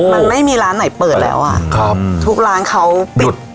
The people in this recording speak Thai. มันไม่มีร้านไหนเปิดแล้วอ่ะครับทุกร้านเขาปิด